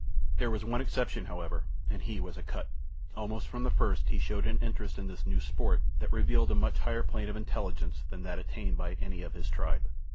There was one exception, however, and he was Akut. Almost from the first he showed an interest in this new sport that revealed a much higher plane of intelligence than that attained by any of his tribe.